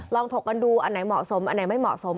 ถกกันดูอันไหนเหมาะสมอันไหนไม่เหมาะสม